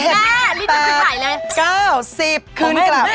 ช่างกลับเอ้วนะช่างกลับ